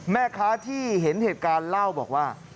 แม่ค้าที่เห็นเหตุการณ์เล่าบอกว่า